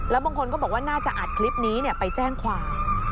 แล้วบางคนก็บอกว่าน่าจะอัดคลิปนี้ไปแจ้งความ